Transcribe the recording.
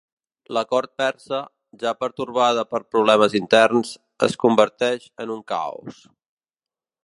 La cort persa, ja pertorbada per problemes interns, es converteix en un caos.